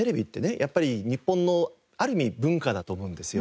やっぱり日本のある意味文化だと思うんですよ。